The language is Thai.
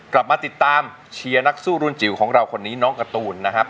กลับมาติดตามเชียร์นักสู้รุ่นจิ๋วของเราคนนี้น้องการ์ตูนนะครับ